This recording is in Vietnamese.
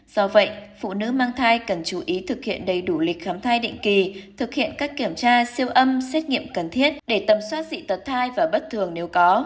do vậy phụ nữ mang thai cần chú ý thực hiện đầy đủ lịch khám thai định kỳ thực hiện các kiểm tra siêu âm xét nghiệm cần thiết để tầm soát dị tật thai và bất thường nếu có